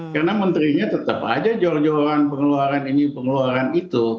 karena menterinya tetap aja jor joran pengeluaran ini pengeluaran itu